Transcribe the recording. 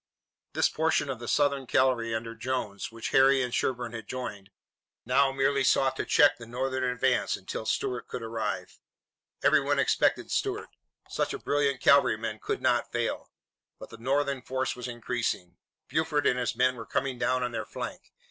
This portion of the Southern cavalry under Jones, which Harry and Sherburne had joined, now merely sought to check the Northern advance until Stuart could arrive. Everyone expected Stuart. Such a brilliant cavalryman could not fail. But the Northern force was increasing. Buford and his men were coming down on their flank.